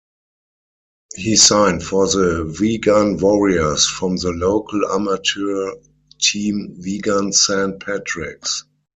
He signed for the Wigan Warriors from the local amateur team Wigan Saint Patricks.